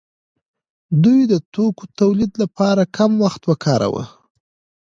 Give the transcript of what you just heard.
دوی د توکو تولید لپاره کم وخت ورکاوه.